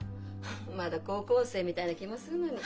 まだ高校生みたいな気もするのに。